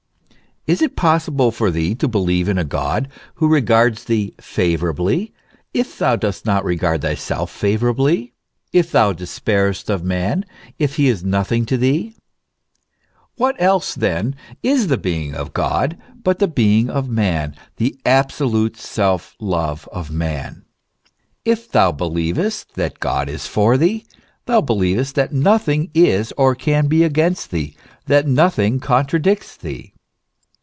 Is it possible for thee to believe in a God who regards thee favourably, if thou dost not regard thyself favourably, if thou despairest of man, if he is nothing to thee ? What else then is the being of God but the being of man, the absolute self love of man ? If thou believest that God is for thee, thou believest that nothing is or can be against thee, that nothing contradicts thee.